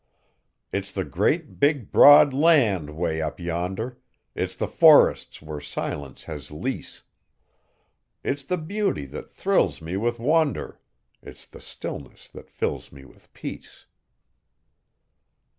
It's the great, big, broad land 'way up yonder, It's the forests where silence has lease; It's the beauty that thrills me with wonder, It's the stillness that fills me with peace.